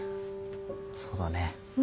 そうだね。